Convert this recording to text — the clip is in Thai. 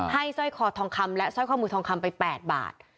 สร้อยคอทองคำและสร้อยข้อมือทองคำไป๘บาท